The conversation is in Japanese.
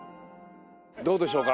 どうでしょうか